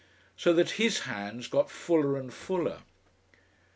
So that his hands got fuller and fuller.